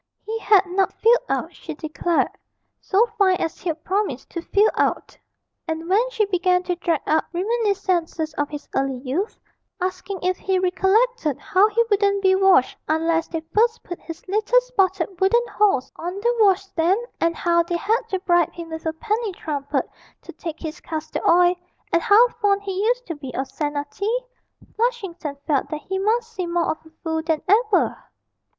He had not filled out, she declared, so fine as he'd promised to fill out. And when she began to drag up reminiscences of his early youth, asking if he recollected how he wouldn't be washed unless they first put his little spotted wooden horse on the washstand, and how they had to bribe him with a penny trumpet to take his castor oil, and how fond he used to be of senna tea, Flushington felt that he must seem more of a fool than ever!